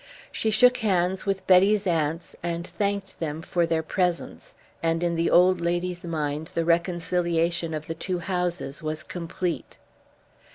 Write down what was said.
She shook hands with Betty's aunts and thanked them for their presence; and in the old lady's mind the reconciliation of the two houses was complete.